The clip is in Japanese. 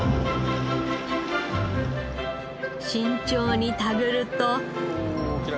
慎重に手繰ると。